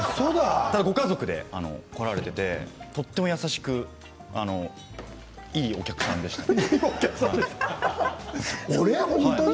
ご家族で来られていてとても優しくいいお客さんでしたね。